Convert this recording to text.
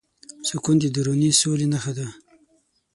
سکون د دروني سولې نښه ده.